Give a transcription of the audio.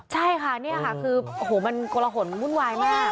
ใช่ค่ะนี่คือโอ้โหมันกระหล่ะห่นมุ่นวายมาก